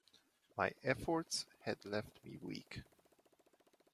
My efforts had left me weak.